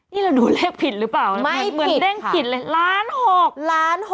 นี่เราดูเลขผิดหรือเปล่านะไม่เหมือนเร่งผิดเลย